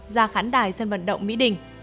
ra khán đài sân vận động mỹ đình